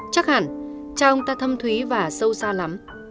chắc hẳn cha ông ta thâm thúy và sâu xa lắm